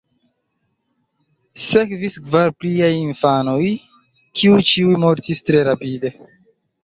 Sekvis kvar pliaj infanoj, kiuj ĉiuj mortis tre rapide.